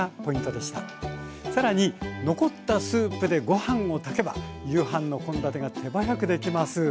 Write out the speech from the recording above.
更に残ったスープでご飯を炊けば夕飯の献立が手早くできます。